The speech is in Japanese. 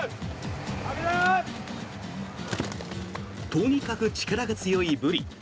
とにかく力が強いブリ。